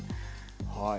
はい。